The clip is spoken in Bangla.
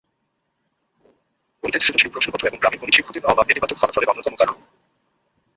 গণিতে সৃজনশীল প্রশ্নপত্র এবং গ্রামে গণিত শিক্ষকের অভাব নেতিবাচক ফলাফলের অন্যতম কারণ।